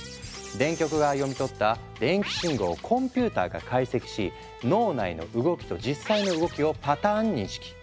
電極が読み取った電気信号をコンピューターが解析し脳内の動きと実際の動きをパターン認識。